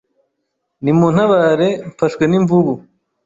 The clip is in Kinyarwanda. nimuntabare mfashwe n'imvubu